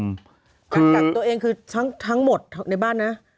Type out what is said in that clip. การกักตัวเองคือทั้งหมดในบ้านนะ